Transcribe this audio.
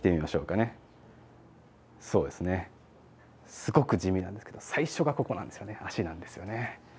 すごく地味なんですけど最初がここなんですよね足なんですよね。